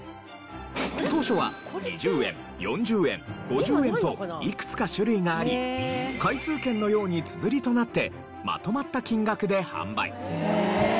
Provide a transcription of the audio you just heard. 当初は２０円４０円５０円といくつか種類があり回数券のようにつづりとなってまとまった金額で販売。